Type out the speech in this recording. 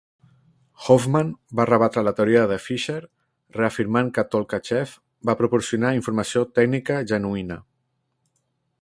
Hoffman va rebatre la teoria de Fischer, reafirmant que Tolkachev va proporcionar informació tècnica genuïna.